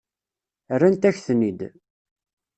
Rrant-ak-ten-id.